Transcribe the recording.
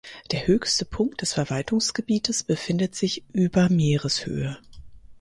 Der höchste Punkt des Verwaltungsgebietes befindet sich über Meereshöhe.